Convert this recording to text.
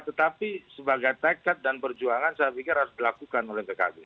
tetapi sebagai tekad dan perjuangan saya pikir harus dilakukan oleh pkb